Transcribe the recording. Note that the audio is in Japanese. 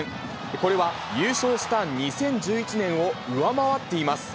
これは優勝した２０１１年を上回っています。